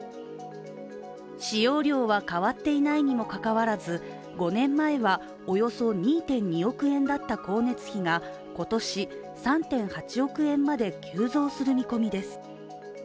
使用量は変わっていないにもかかわらず５年前はおよそ２．２億円だった光熱費が、今年、３．８億円まで急増する見込みです。